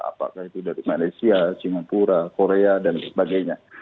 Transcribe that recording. apakah itu dari malaysia singapura korea dan sebagainya